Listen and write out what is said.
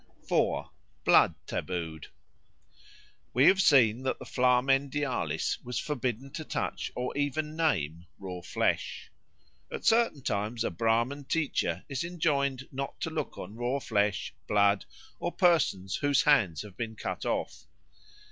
4. Blood tabooed WE have seen that the Flamen Dialis was forbidden to touch or even name raw flesh. At certain times a Brahman teacher is enjoined not to look on raw flesh, blood, or persons whose hands have been cut off.